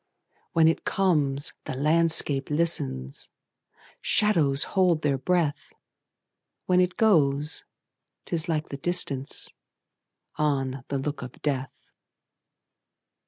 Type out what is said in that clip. When it comes, the landscape listens, Shadows hold their breath; When it goes, 't is like the distanceOn the look of death.